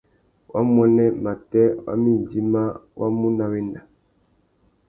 Wamuênê matê wa mà idjima wá mú nà wenda.